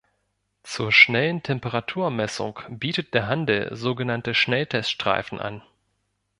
Zur schnellen Temperaturmessung bietet der Handel sogenannte Schnelltest-Streifen an.